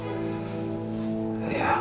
gak pernah berjaya ini